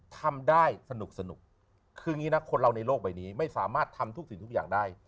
ทำได้สนุกคืออย่างนี้นะคนเราในโลกใบนี้ไม่สามารถทำทุกสิ่งทุกอย่างได้